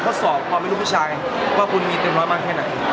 ทดสอบความไม่รู้ผู้ชายว่าคุณมีเต็มร้อยมากแค่ไหน